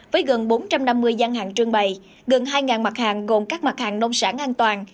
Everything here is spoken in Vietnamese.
với gần bốn trăm năm mươi gian hàng trương bày gần hai mặt hàng gồm các mặt hàng nông sản an toàn